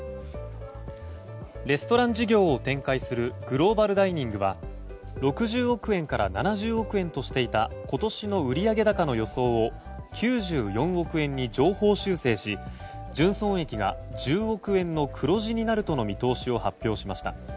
レストラン事業を展開するグローバルダイニングは６０億円から７０億円としていた今年の売上高の予想を９４億円に上方修正し、純損益が１０億円の黒字になるとの見通しを発表しました。